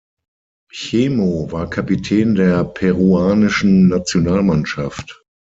Chemo war Kapitän der peruanischen Nationalmannschaft.